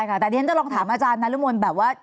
ได้ค่ะแต่นี่ฉันจะลองถามอาจารย์นานรุมนแบบว่า